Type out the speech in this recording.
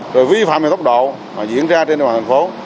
rồi vi phạm vì tốc độ mà diễn ra trên đoàn thành phố